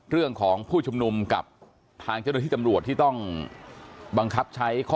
ผู้ชุมนุมกับทางเจ้าหน้าที่ตำรวจที่ต้องบังคับใช้ข้อ